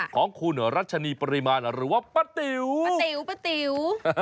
ของคุณรัชนีปริมาณหรือว่าปะติ๋ว